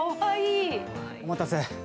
お待たせ。